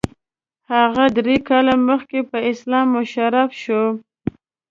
هغه درې کاله مخکې په اسلام مشرف شوی.